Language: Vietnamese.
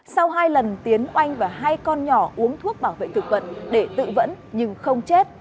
sau hai lần tiến oanh và hai con nhỏ uống thuốc bảo vệ thực vật để tự vẫn nhưng không chết